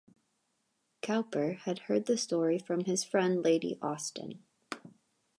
Cowper had heard the story from his friend Lady Austen.